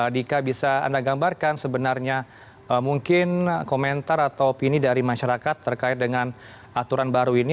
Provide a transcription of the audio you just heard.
dika bisa anda gambarkan sebenarnya mungkin komentar atau opini dari masyarakat terkait dengan aturan baru ini